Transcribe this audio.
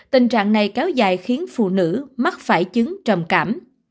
tình trạng này kéo dài khiến phụ nữ mắc phải chứng trầm cảm